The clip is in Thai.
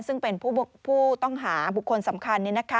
ซึ่งเป็นผู้ต้องหาบุคคลสำคัญ